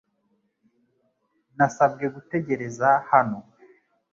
Nasabwe gutegereza hano .